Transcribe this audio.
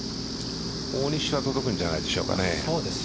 大西は届くんじゃないでしょうか。